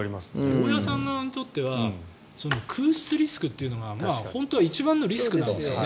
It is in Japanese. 大家さん側にとっては空室リスクというのが本当は一番のリスクなんですよね。